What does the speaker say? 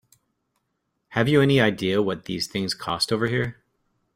Have you any idea what these things cost over here?